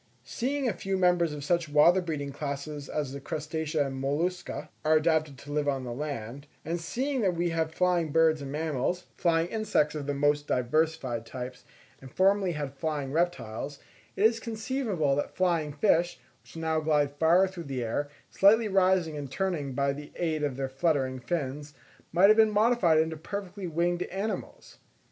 Seeing that a few members of such water breathing classes as the Crustacea and Mollusca are adapted to live on the land; and seeing that we have flying birds and mammals, flying insects of the most diversified types, and formerly had flying reptiles, it is conceivable that flying fish, which now glide far through the air, slightly rising and turning by the aid of their fluttering fins, might have been modified into perfectly winged animals.